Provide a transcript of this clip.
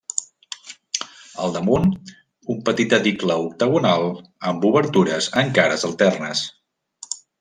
Al damunt, un petit edicle octagonal amb obertures en cares alternes.